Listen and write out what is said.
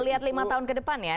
lihat lima tahun ke depan ya